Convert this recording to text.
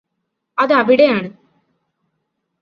അതവിടെയാണ്